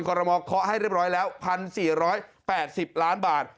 รมอเคาะให้เรียบร้อยแล้ว๑๔๘๐ล้านบาท